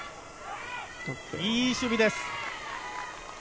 いい守備です。